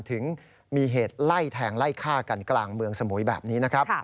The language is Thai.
ถึงมีเหตุไล่แทงไล่ฆ่ากันกลางเมืองสมุยแบบนี้นะครับ